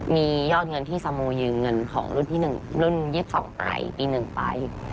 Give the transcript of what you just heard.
มียอดเงินที่สโมยืมเงินของรุ่นที่๑รุ่น๒๒ไปปี๑ไป